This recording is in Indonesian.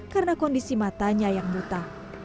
karena kondisi matanya yang buta